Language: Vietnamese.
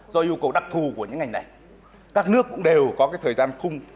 do yêu cầu đặc thù của những ngành này các nước cũng đều có cái thời gian khung